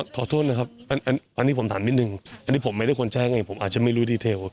ขอโทษนะครับอันนี้ผมถามนิดนึงอันนี้ผมไม่ได้ควรใช้ไงผมอาจจะไม่รู้ดีเทล